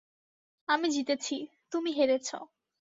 আমি জিতেছি, তুমি হেরেছ।